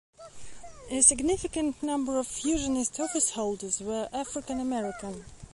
A significant number of fusionist officeholders were African American.